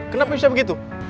kenapa bisa begitu